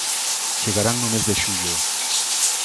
Chegarán no mes de xullo.